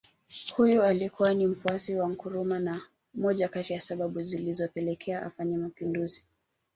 Huyu alikuwa ni mfuasi wa Nkrumah na moja kati ya sababu zilizopelekea afanye Mapinduzi